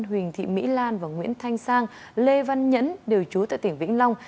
huỳnh thị mỹ lan và nguyễn thanh sang lê văn nhẫn đều trú tại tỉnh vĩnh long